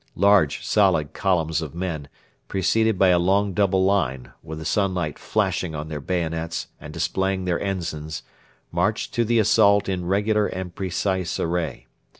Large solid columns of men, preceded by a long double line, with the sunlight flashing on their bayonets and displaying their ensigns, marched to the assault in regular and precise array.